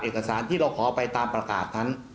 เอกสารที่เราขอไปตามประกาศนั้น